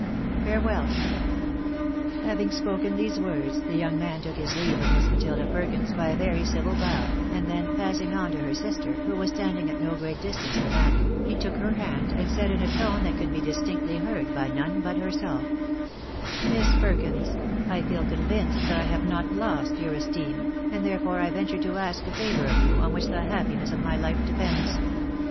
Farewell." Having spoken these words, the young man took his leave of Miss Matilda Perkins by a very civil bow, and then passing on to her sister, who was standing at no great distance from Annie, he took her hand, and said in a tone that could be distinctly heard by none but herself —" Miss Perkins, I feel convinced that I have not lost your esteem, and therefore I venture to ask a favour of you on which the happi 216 THE BAENABYS IN AMERICA. ness of my life depends.